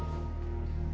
tentang apa yang terjadi